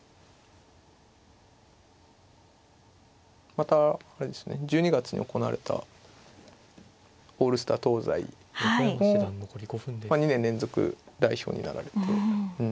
またあれですね１２月に行われたオールスター東西も２年連続代表になられて。